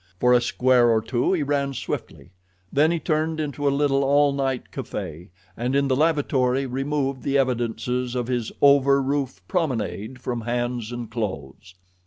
For a square or two he ran swiftly; then he turned into a little all night café and in the lavatory removed the evidences of his over roof promenade from hands and clothes.